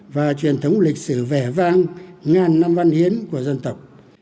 và truyền thống lịch sử vẻ vang ngàn năm văn hiến của dân tộc